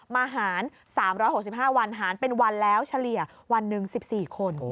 มาหาร๓๖๕วันหารเป็นวันแล้วเฉลี่ยวันหนึ่ง๑๔คน